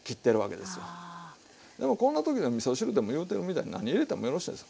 でもこんな時でもみそ汁でも言うてるみたいに何入れてもよろしいんですよ。